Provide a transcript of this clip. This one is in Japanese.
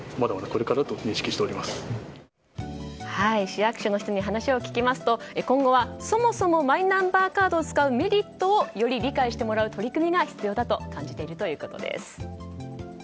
市役所の人に話を聞きますと今後はそもそもマイナンバーカードを使うメリットをより理解してもらう取り組みが必要だと感じているということです。